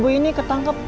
ibu ini ketangkep